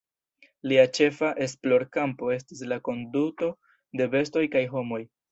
Lia ĉefa esplorkampo estis la konduto de bestoj kaj homoj.